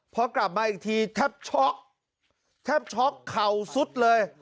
พอกลับมาอีกทีแท็ปโช๊กแท็ปโช๊กข่าวสุดเลย